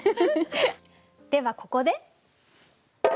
ではここで。